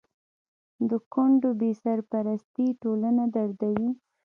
د کونډو بې سرپرستي ټولنه دردوي.